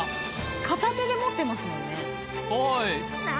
片手で持ってますもんね。